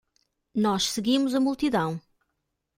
Nós seguimos a multidão